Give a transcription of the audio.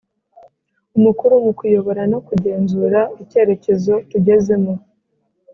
Umukuru mu kuyobora no kugenzura icyerekezo tugezemo